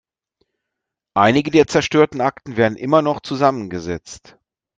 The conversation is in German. Einige der zerstörten Akten werden immer noch zusammengesetzt.